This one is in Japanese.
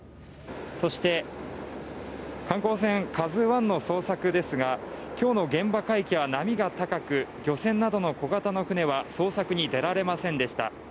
そして観光船「ＫＡＺＵⅠ」の捜索ですが、今日の現場海域は波が高く漁船などの小型の船は捜索に出られませんでした。